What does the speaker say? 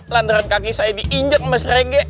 lantaran kaki saya diinjek mas rege